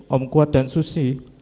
om kuat dan susi